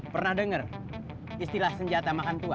pernah dengar istilah senjata makan tua